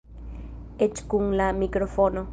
Eĉ kun la mikrofono.